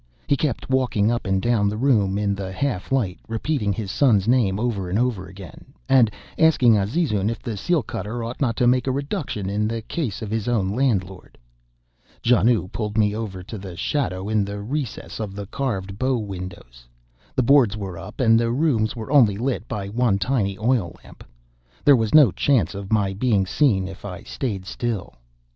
He kept walking up and down the room in the half light, repeating his son's name over and over again, and asking Azizun if the seal cutter ought not to make a reduction in the case of his own landlord. Janoo pulled me over to the shadow in the recess of the carved bow windows. The boards were up, and the rooms were only lit by one tiny oil lamp. There was no chance of my being seen if I stayed still.